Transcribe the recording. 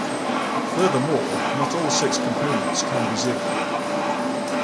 Furthermore, not all six components can be zero.